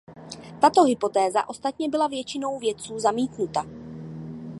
Tato hypotéza ostatně byla většinou vědců zamítnuta.